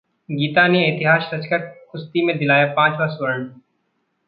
गीता ने इतिहास रचकर कुश्ती में दिलाया पांचवां स्वर्ण